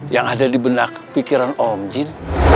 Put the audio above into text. yang ada di benak pikiran om jin